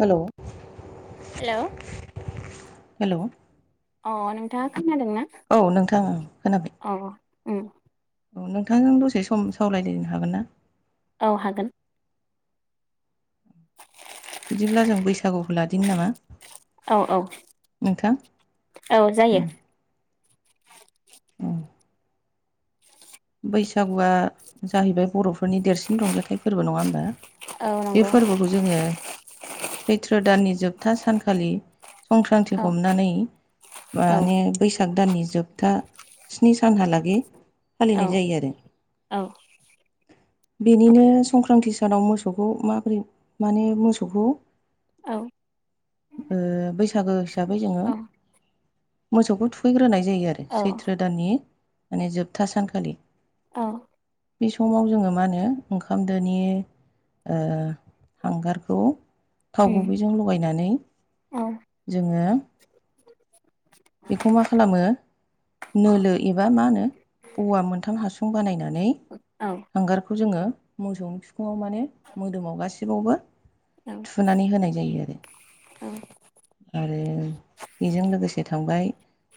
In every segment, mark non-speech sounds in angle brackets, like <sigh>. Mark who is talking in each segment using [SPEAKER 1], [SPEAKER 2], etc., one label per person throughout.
[SPEAKER 1] Hello
[SPEAKER 2] hello
[SPEAKER 1] hello
[SPEAKER 2] अ नोंथाङा खोनादों ना?
[SPEAKER 1] औ नोंथां खोनाबाय
[SPEAKER 2] उम
[SPEAKER 1] औ नोंथांजों दसे सम सावलायदो हागोन ना?
[SPEAKER 2] औ हागोन
[SPEAKER 1] बिदिब्ला जों बैसागुखौ लादिनि नामा?
[SPEAKER 2] औ औ
[SPEAKER 1] नोंथां
[SPEAKER 2] औ जायो
[SPEAKER 1] उम औ बैसागुआ जाहैबाय बर'फोरनि देरसिन रंजाथाइ फोरबो नङा होमबा?
[SPEAKER 2] औ
[SPEAKER 1] बे
[SPEAKER 2] नंगौ
[SPEAKER 1] फोरबोखौ जोङो सैथ्र दाननि जोबथा सानखालि संक्रान्ति
[SPEAKER 2] औ
[SPEAKER 1] हमनानै
[SPEAKER 2] औ
[SPEAKER 1] मानि बैसाग दाननि जोबथा स्नि सानहालागि
[SPEAKER 2] औ
[SPEAKER 1] फालिनाय जायो आरो
[SPEAKER 2] औ
[SPEAKER 1] बेनिनो संक्रान्ति सानाव मोसौखौ माबोरै माने मोसौखौ
[SPEAKER 2] औ उम
[SPEAKER 1] ओ बैसागो हिसाबै जोङो मोसौखौ थुखैग्रोनाय जायो आरो
[SPEAKER 2] औ
[SPEAKER 1] सैथ्र दाननि माने जोब- था सानखालि
[SPEAKER 2] औ
[SPEAKER 1] बे समाव जोङो मा होनो ओंखामदोनि ओ हांगारखौ थाव गुबैजों लगायनानै जोङो बेखौ मा खालामो? नोलो एबा मा होनो औवा मोनथाम हासुं बानायनानै हांगारखौ जोङो मोसौनि बिखुङाव माने मोदोमाव गासिबावबो
[SPEAKER 2] औ
[SPEAKER 1] थुनानै होनाय जायो आरो
[SPEAKER 2] औ उम
[SPEAKER 1] आरो बेजों लोगोसे थांबाय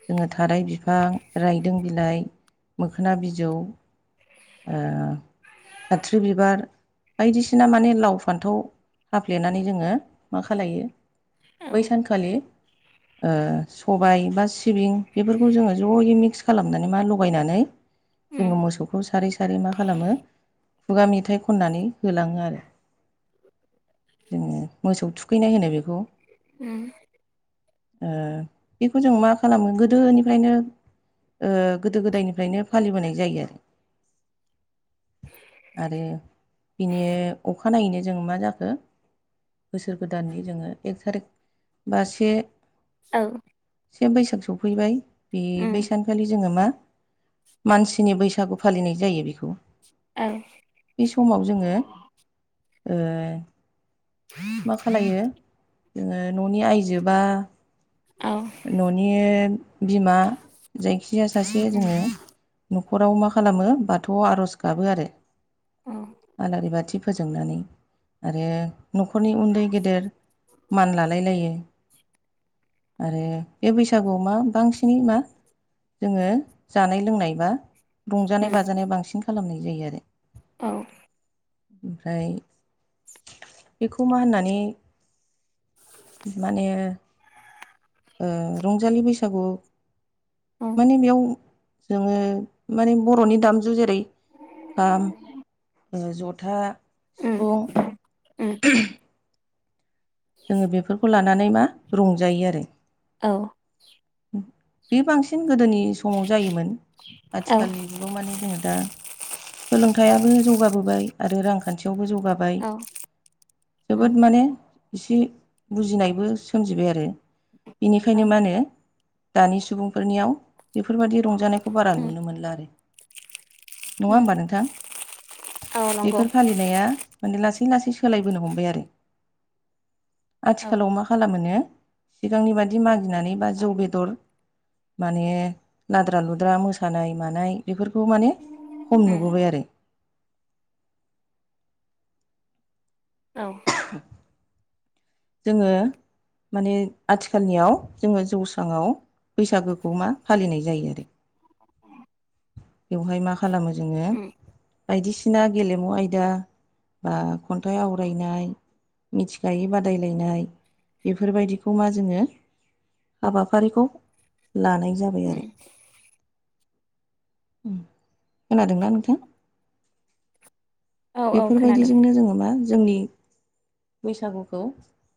[SPEAKER 1] जोङो थाराय बिफां रायदों बिलाइ मोखोना बिजौ ओ आथ्रि बिबार बायदिसिना माने लाव फान्थाव हाफ्लेनानै जोङो मा खालायो बै सानखालि ओ सबाय बा सिबिं बेफोरखौ जोङो ज'यै मिक्स खालामनानै मा लगायनानै जोङो
[SPEAKER 2] उम
[SPEAKER 1] मोसौखौ सारै सारै मा खालामो खुगा मेथाइ खननानै होलाङो आरो। जोङो मोसौ थुखैनाय होनो बेखौ
[SPEAKER 2] उम
[SPEAKER 1] ओ बेखौ जों मा खालामो गोदोनिफ्रायनो ओ गोदो गोदायनिफ्रायनो फालिबोनाय जायो आरो आरो बिनि अखानायैनो जों मा जाखो? बोसोर गोदाननि जोङो एक थारिक बा से
[SPEAKER 2] औ
[SPEAKER 1] से बैसाग सफैबाय बे बै
[SPEAKER 2] उम
[SPEAKER 1] सान खालि जोङो मा मानसिनि बैसागु फालिनाय जायो बेखौ
[SPEAKER 2] <unintelligible>
[SPEAKER 1] बे समाव जोङो ओ मा खालायो जोङो न'नि आयजो बा
[SPEAKER 2] औ
[SPEAKER 1] न'नि बिमा जायखिजाया सासे
[SPEAKER 2] उम
[SPEAKER 1] जोङो न'खराव मा खालामो बाथौ आर'ज गाबो आरो
[SPEAKER 2] औ
[SPEAKER 1] आलारि बाथि फोजोंनानै आरो न'खरनि उन्दै गेदेर मान लालाय लायो आरो बे बैसागुआव मा बांसिनै मा जोङो जानाय लोंनाय बा रंजानाय
[SPEAKER 2] उम
[SPEAKER 1] बाजानाय बांसिन खालामनाय जायो आरो
[SPEAKER 2] औ
[SPEAKER 1] ओमफ्राय बेखौ मा होननानै माने ओ रंजालि बैसागु
[SPEAKER 2] उम
[SPEAKER 1] माने बेयाव जोङो माने बर'नि दामजु जेरै खाम ओ ज'था
[SPEAKER 2] उम
[SPEAKER 1] सिफुं
[SPEAKER 2] औ
[SPEAKER 1] <unintelligible> जोङो बेफोरखौ लानानै मा रंजायो आरो
[SPEAKER 2] औ
[SPEAKER 1] बे बांसिन गोदोनि समाव जायोमोन आथिखालनि
[SPEAKER 2] औ
[SPEAKER 1] जुगाव माने जोङो दा सोलोंथाइयाबो जौगाबोबाय आरो रांखान्थियावबो जौ ग्वाबाय
[SPEAKER 2] उम
[SPEAKER 1] जोबोद माने इसे बुजिनायबो सोमजिबाय आरो
[SPEAKER 2] औ
[SPEAKER 1] बेनिखायनो मानो दानि सुबुंफोरनियाव बेफोरबायदि रंजानायखौ बारा
[SPEAKER 2] उम
[SPEAKER 1] नुनो मोनला आरो नङा
[SPEAKER 2] उम
[SPEAKER 1] होमबा नोंथां
[SPEAKER 2] औ नंगौ
[SPEAKER 1] बेफोर फालि नाया माने लासै-लासै सोलायबोनो हमबाय आरो
[SPEAKER 2] औ
[SPEAKER 1] आथिखालाव मा खालामोनो सिगांनि बादि मागिनानै बा
[SPEAKER 2] औ
[SPEAKER 1] जौ बे दर माने लाद्रा लुद्रा मोसानाय मानाय बेफोरखौ माने खम
[SPEAKER 2] उम
[SPEAKER 1] नुबोबाय आरो
[SPEAKER 2] औ
[SPEAKER 1] जोङो माने आथिखालनियाव जोङो जौसाङाव बैसागोखौ मा फालिनाय जायो आरो बेवहाय मा खालामो जोङो
[SPEAKER 2] उम
[SPEAKER 1] बायदिसिना गेलेमु आयदा बा खन्थाइ आवरायनाय मिथिखायोबा बादायलायनाय बेफोरबायदिखौ मा जोङो हाबाफारिखौ लानाय जाबाय
[SPEAKER 2] उम
[SPEAKER 1] आरो खोनादोंना नोंथां
[SPEAKER 2] औ औ खोनादों
[SPEAKER 1] बेफोरबायदिजोंनो जोङो मा जोंनि बैसागुखौ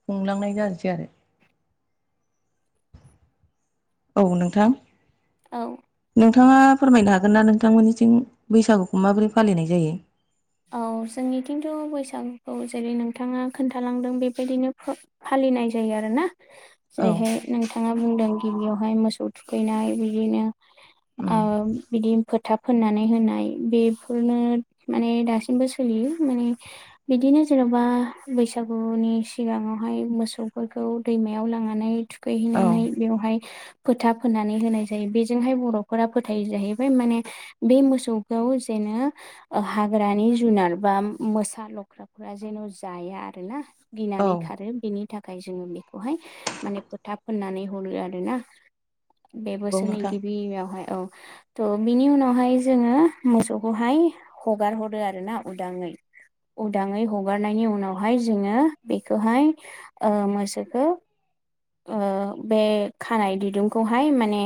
[SPEAKER 1] खुंलांनाय जासै आरो औ नोंथां
[SPEAKER 2] औ
[SPEAKER 1] नोंथाङा फोरमायनो हागोन ना नोंथांमोननिजोंं बैसागुखौ माबोरै फालिनाय जायो?
[SPEAKER 2] औ जोंनिथिंथ' बैसागुखौ जेरै नोंथाङा खोन्थालांदों बेबायदिनो फालिनाय जायोग आरो ना
[SPEAKER 1] औ
[SPEAKER 2] जेरैहाय नोंथाङा बुंदों गिबियावहाय मोसौ थुखैनाय बिदिनो ओ बिदि फोथा फोननानै होनाय बेफोरनो माने द सिमबो सोलियो माने बिदिनो जेन'बा बैसागुनि सिगाङावहाय मोसौफोरखौ दैमायाव लांनानै थुखै
[SPEAKER 1] औ
[SPEAKER 2] हैनानै बेवहाय खोथा फोननानै होनाय जायो बेजोंहाय बर'फोरा फोथायो जाहैबाय माने बे मोसौखौ जेननो हाग्रानि जुनार बा मोसा लख्राफोरा जेन' जाया आरोना
[SPEAKER 1] औ
[SPEAKER 2] गिनानै खारो बिनि थाखाय जोङो बेखौहाय माने फोथा फोननानै हरो आरोना बे
[SPEAKER 1] नंगौ
[SPEAKER 2] बोसोरनि
[SPEAKER 1] नोंथां
[SPEAKER 2] गिबियावहाय औ थ' बिनि उनावहाय जोङो मोसौखौहाय हगार हरो आरो ना उदाङै उदाङै हगारनायनि उनावहाय जोङो बेखौहाय ओ मोसौखौ ओ बे खानाय ददुंखौहाय माने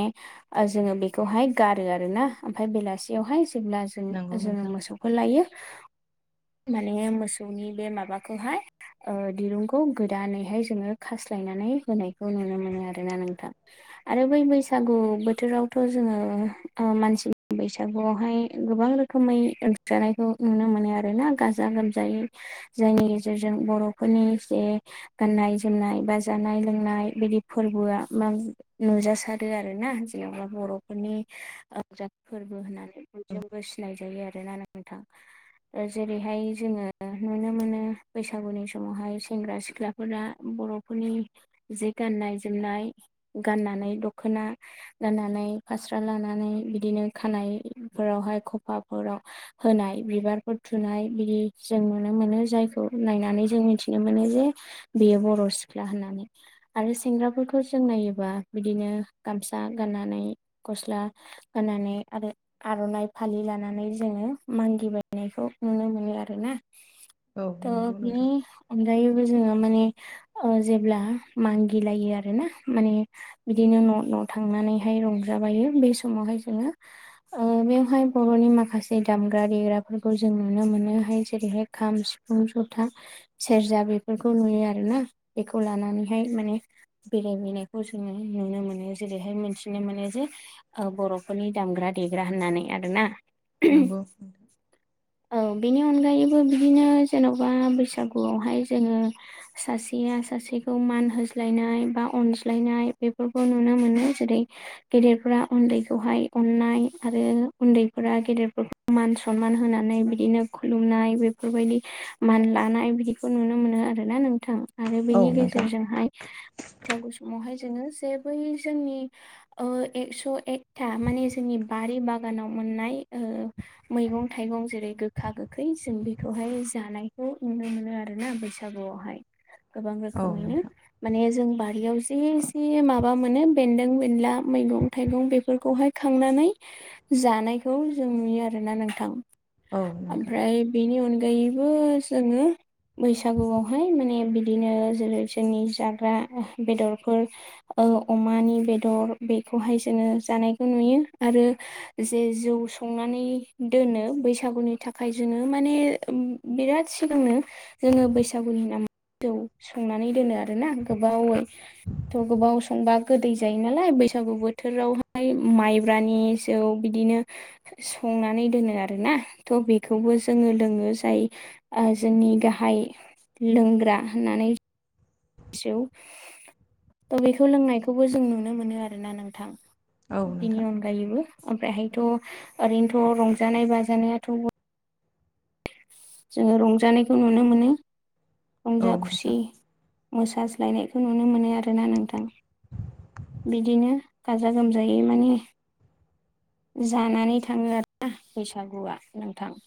[SPEAKER 2] जोङो बेखौहाय गारो आर ना ओमफ्राय बेलासियावहाय जेब्ला जों
[SPEAKER 1] नंगौ
[SPEAKER 2] जोङो
[SPEAKER 1] नोंथां
[SPEAKER 2] मोसौ खौ लायो माने मोसौनि बे माबाखौहाय ओ दिरुंखौ गोदानैहाय जोङो खास्लायनानै होनायखौ नुनो मोनो आरोना नोंथां आरो बै बैसागु बोथोरावथ' जोङो ओ मानसि बैसागुआवहाय गोबां रोखोम रोखोमै जानायखौ नुनो मोनो आरो ना गाजा गोमजायै जायनि गेजेरजों बर'फोरनि जे गाननाय जोमनाय बा जानाय लोंनाय नाय बिदि फोरबोआ मा नुजासारो आरोना जेनेबा बर'फोरनि जा फोरबो होननानै बयजोंबो सिनाय जायो आरोना नोंथां जेरैहाय जोङो नुनो मोनो बैसागुनि समावहाय सेंग्रा सिख्लाफोरा बर' फोरनि जे गाननाय जोमनाय गाननानै दख'ना राननानै फास्रा लानानै बिदिनो खानायफोरावहाय खफाफोराव होनाय बिबारफोर थुनाय बिदि जों नुनो मोनो जायखौ नायनानै जों मिथिनो मोनो जे बेयो बर' सिख्ला होननानै आरो सेंग्राफोरखौ जों नायोबा बिदिनो गामसा गाननानै गस्ला गाननानै आरो आर'नाइ फालि लानानै जोङो मागिबायनायखौ नुनो मोनो आरो ना
[SPEAKER 1] औ
[SPEAKER 2] थ'
[SPEAKER 1] नंगौ
[SPEAKER 2] बिनि
[SPEAKER 1] नोंथां
[SPEAKER 2] अनगायैबो जोङो माने ओ जेब्ला मागिलायो आरो ना माने बिदिनो न' न' थांनानैहाय रंजाबायो बे समावहाय जोङो ओ बेवहाय बर'नि माखासे दामग्रा देग्राफोरखौ जों नुनो मोनोहाय जेरैहाय खाम सिफुं सिफुं जपथा सेरजा बेफोरखौ नुयो आरोना बेखौ लानानैहाय माने बेरायनायखौ जोङो नुनो मोनो जेरैहाय मोनथिनो मोनो जे बर'फोरनि दामग्रा देग्रा होननानै आरोना
[SPEAKER 1] नंगौ
[SPEAKER 2] औ बेनि अनगायैबो बिदिनो जेन'बा बैसागुआवहाय जोङो सासे आ सासेखौ खौ मान होज्लायनाय बा अनज्लायनाय बेफोरखौ नुनो मोनो जेरै गेदेरफोरा उन्दैखौहाय अननाय आरो उन्दैफोरा गेदेरफोरखौ मान सनमान होनानै बिदिनो खुलुमनाय बेफोरबायदि मान लानाय बिदि खौ नुनो मोनो आरोना नोंथां आरो
[SPEAKER 1] औ
[SPEAKER 2] बेनि गे
[SPEAKER 1] नोंथां
[SPEAKER 2] जेरजोंहाय बैसागु समावहाय जोङो जे बै जोंनि ओ एक्स' एकथा माने जोंनि बारि बागानाव मोननाय मैगं थाइगं जेरै गोखा गोखै जों बेखौहाय जानायखौ नुनो मोनो आरोना बसोर बैसागुआवहाय गोबां
[SPEAKER 1] औ
[SPEAKER 2] रोखोमैनो
[SPEAKER 1] नोंथां
[SPEAKER 2] माने जों बारियाव जे जे माबा मोनो बेन्दों बेनला मैगं थाइगं बेफोरखौहाय खांनानै जानायखौ जों नुयो आरोना नोंथां।
[SPEAKER 1] औ नोंथां
[SPEAKER 2] आमफ्राय बेनि अनगायैबो जोङो बैसागुआवहाय माने बिदिनो जेरै जोंनि जाग्रा बेदरफोर अमानि बेदर बेखौहाय जोङो जानायखौ नुयो आरो जे जौ संनानै दोनो बैसागुनि थाखाय जोङो माने बिराद सिगांनो जोङो बैसागुनि नामै जौ संनानै दोनो आरोना गोबावै थ' गोबाव संबा गोदै जायो नालाय बैसागु बोथोरावहाय माइब्रानि औ बिदिनो संनानै दोनो आरोना थ' बेखौबो जोङो लोङो जायो जोंनि गाहाय लोंग्रा होननानै जौ त' बेखौ लोंनायखौबो जों नुनो मोनो आरोना नोंथां
[SPEAKER 1] औ
[SPEAKER 2] बिनि
[SPEAKER 1] नोंथां
[SPEAKER 2] अनगायैबो ओमफ्रायहायथ' ओरैनोथ' रंजानाय बाजानायाथ' जोङो रंजानायखौ नुनो मोनो
[SPEAKER 1] औ
[SPEAKER 2] रंजा खुसि
[SPEAKER 1] नोंथां
[SPEAKER 2] मोसाज्लायनायखौ नुनो मोनो आरोना नोंथां बिदिनो गाजा गोमजायै माने जानानै थाङो आरोना बैसागुआ नोंथां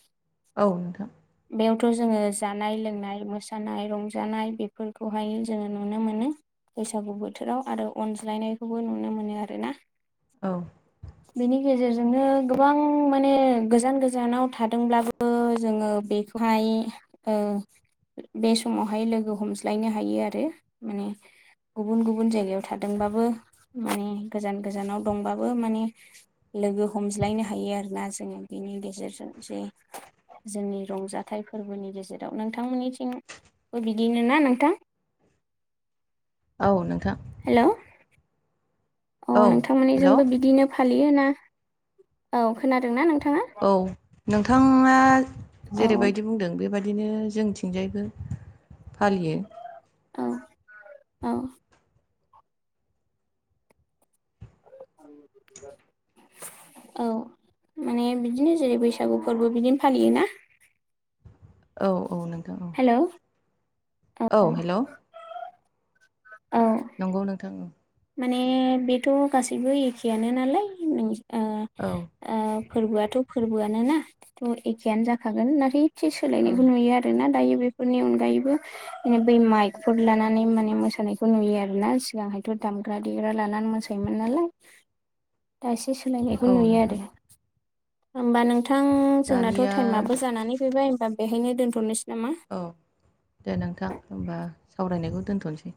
[SPEAKER 1] औ नोंथां
[SPEAKER 2] बेयावथ' जोङो जानाय लोंनाय मोसानाय रंजानाय बेफोरखौहाय जोङो नुनो मोनो बैसागु बोथोराव आरो अनज्लायनायखौबो नुनो मोनो आरो ना
[SPEAKER 1] औ
[SPEAKER 2] बेनि गेजेरजोंनो गोबां माने गोजान गोजानाव थादोंब्लाबो जोङो बेखौहाय ओ बे समावहाय लोगो हमज्लायनो हायो आरो माने गुबुन गुबुन जायगायाव थादोंबाबो माने गोजान गोजानाव दंबाबो माने लोगो हमज्लायनो हायो आरोना जोङो बेनि गेजेरजों जे जोंनि रंजाथाइ फोरबोनि गेजेराव नोंथांमोननिथिंबो बिदिनो ना नोंथां
[SPEAKER 1] औ नोंथां
[SPEAKER 2] हेलौ औ नोंथांमोननिजोंबो बिदिनो फालियो ना औ खोनादोंना नोंथाङा?
[SPEAKER 1] औ नोंथाङा
[SPEAKER 2] औ
[SPEAKER 1] जेरैबायदि बुंदों बेबा यदिनो जोंथिंजायबो फालियो
[SPEAKER 2] औ औ <inaudible> औ माने बिदिनो जेरै बैसागु फोरबो बिदिनो फालियोना
[SPEAKER 1] औ औ नोंथां औ
[SPEAKER 2] हेलौ
[SPEAKER 1] औ हेलौ
[SPEAKER 2] औ
[SPEAKER 1] नंगौ नोंथां उम
[SPEAKER 2] माने बेथ' गासैबो एखेआनो नालाय नों
[SPEAKER 1] औ
[SPEAKER 2] ओ फोरबोआथ' फोरबोआनो ना एथ' एखेयानो जाखागोन नाथाय एसे
[SPEAKER 1] औ
[SPEAKER 2] सोलायनायखौ नुयो आरो। रोना दायो बेफोरनि अनगायैबो बै माइकफोर लानानै माने मोसानायखौ नुयो आरो ना सिगांहायथ' दामग्रा देग्रा लानानै मोसायोमोन नालाय दा एसे
[SPEAKER 1] औ
[SPEAKER 2] सोलायनायखौ नुयो
[SPEAKER 1] नोंथां
[SPEAKER 2] आरो। होमबा नोंथां जोंनाथ'
[SPEAKER 1] दानिया
[SPEAKER 2] टाइमाबो जानानै फैबाय होमबा बेहायनो दोन्थ'नोसै नामा?
[SPEAKER 1] औ दे नोंथां होमबा सावरायनायखौ दोनथ'नोसै।